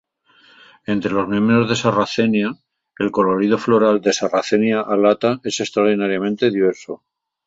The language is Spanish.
Entre los miembros de "Sarracenia" el colorido floral de "Sarracenia alata" es extraordinariamente diverso.